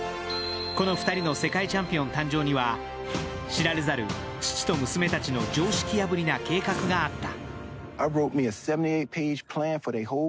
この２人の世界チャンピオン誕生には、知られざる父と娘たちの常識破りの計画があった。